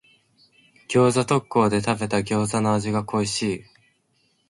餃子特講で食べた餃子の味が恋しい。